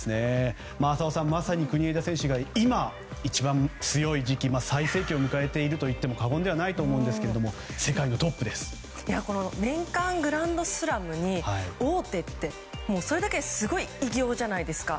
浅尾さん、まさに国枝選手が今、一番強い時期最盛期を迎えているといっても過言ではないと思うんですが年間グランドスラムに王手って、それだけですごい偉業じゃないですか。